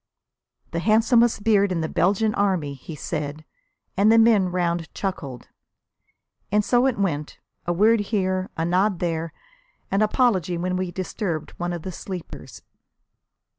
"The handsomest beard in the Belgian Army!" he said, and the men round chuckled. And so it went, a word here, a nod there, an apology when we disturbed one of the sleepers.